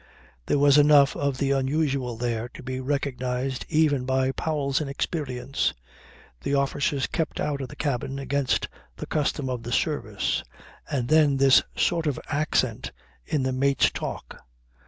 There was enough of the unusual there to be recognized even by Powell's inexperience. The officers kept out of the cabin against the custom of the service, and then this sort of accent in the mate's talk.